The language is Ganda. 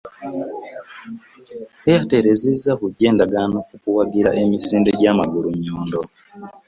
Airtel ezzizza buggya endagaano ku kuwagira emisinde gya Magulunnyondo